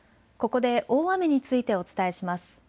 ここで大雨についてお伝えします。